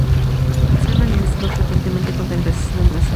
Se ha manifestado frecuentemente contra el racismo en Brasil.